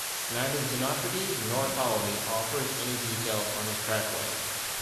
Neither Xenocrates nor Ptolemy offers any details on his trackway.